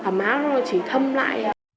ở má nó chỉ thâm lại